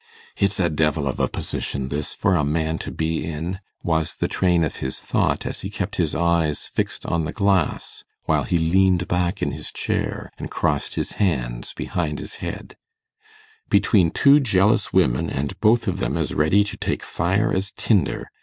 'It's a devil of a position this for a man to be in,' was the train of his thought, as he kept his eyes fixed on the glass, while he leaned back in his chair, and crossed his hands behind his head; 'between two jealous women, and both of them as ready to take fire as tinder.